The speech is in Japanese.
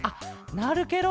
なるケロ。